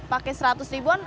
pake seratus ribuan